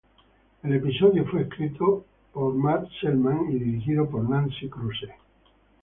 El episodio fue escrito por Matt Selman y dirigido por Nancy Kruse.